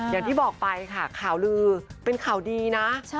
อย่างที่บอกไปค่ะข่าวลือเป็นข่าวดีนะ